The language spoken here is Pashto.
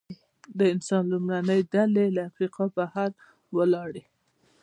د انسان لومړنۍ ډلې له افریقا بهر ولاړې.